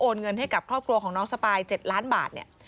เงินให้กับครอบครัวของน้องสปาย๗ล้านบาทเนี่ย